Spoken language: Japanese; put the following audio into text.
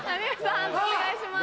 判定お願いします。